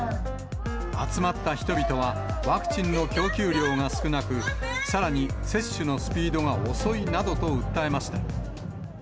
集まった人々は、ワクチンの供給量が少なく、さらに接種のスピードが遅いなどと訴えました。